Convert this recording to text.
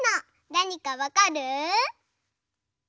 なにかわかる？